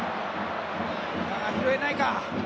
拾えないか。